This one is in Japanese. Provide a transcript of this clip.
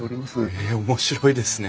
へえ面白いですね。